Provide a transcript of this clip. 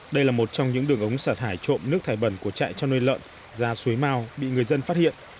đây là một trong những đường ống xả thải trộm nước thải bẩn của trại chăn nuôi lợn ra suối mao bị người dân phát hiện